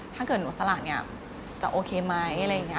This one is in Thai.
ถ้าเกิดหนูสลากเนี่ยจะโอเคไหมอะไรอย่างนี้